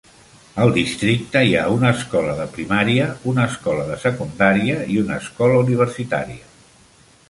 Al districte hi ha una escola de primària, una escola de secundària i una escola universitària.